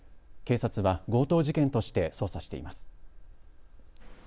警察は強盗事件として捜査しています。